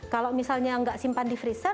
kalau misalnya tidak simpan di freezer